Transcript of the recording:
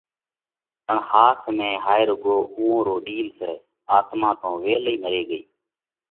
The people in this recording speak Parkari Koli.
پڻ ۿاس ۾ ھائي رُوڳو اُوئون رو ڏِيل سئہ، آتما تو ويلئِي مري ڳئِيھ!